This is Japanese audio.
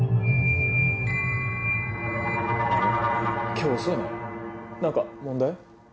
今日遅いね何か問題？